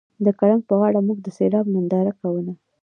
د ګړنګ په غاړه موږ د سیلاب ننداره کوله